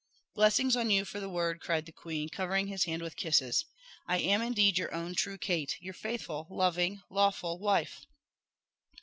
"Blessings on you for the word!" cried the queen, covering his hand with kisses. "I am indeed your own true Kate your faithful, loving, lawful wife!"